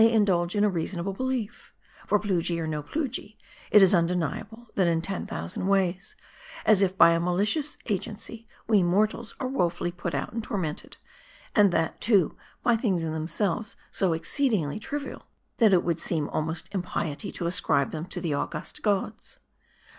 indulge in a reasonable belief. For, Plujii or no Plujii, it is undeniable, that in ten thousand ways, as if by a malicious agency, we mortals are woefully put out and tormented ; and that, too, by things in themselves so exceedingly trivial, that it would seem almost impiety to ..as cribe them to the august gods.